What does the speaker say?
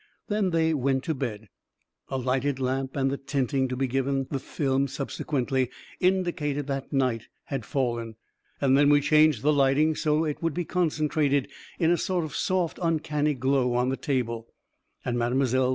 Then they went to bed (a lighted lamp and the tinting to be given the film subsequently indicating that night had fallen) ; and then we changed the lighting so that it would be concentrated in a sort of soft, uncanny glow on the table, and Mile.